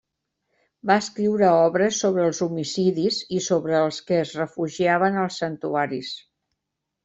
Va escriure obres sobre els homicidis i sobre els que es refugiaven als santuaris.